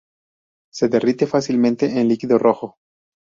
Se derrite fácilmente en un líquido rojo.